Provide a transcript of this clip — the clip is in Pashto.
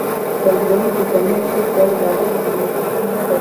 د تولیدونکو ترمنځ هېڅ ډول لازمه همغږي شتون نلري